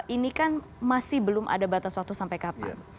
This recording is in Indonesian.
ini kan masih belum ada batas waktu sampai kapan